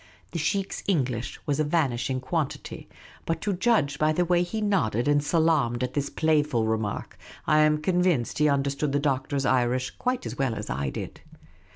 The sheikh's English was a vanishing quantity, but to judge by the way he nodded and salaamed at this playful remark, I am convinced he understood the Doctor's Irish quite as well as I did.